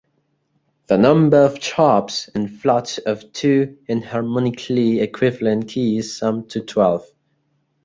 The number of sharps and flats of two enharmonically equivalent keys sum to twelve.